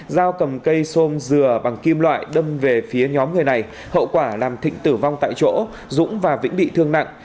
giao cầm cây xôm dừa bằng kim loại đâm về phía nhóm người này hậu quả làm thịnh tử vong tại chỗ dũng và vĩnh bị thương nặng